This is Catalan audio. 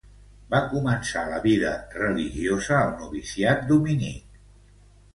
Va començar la vida religiosa al noviciat dominic.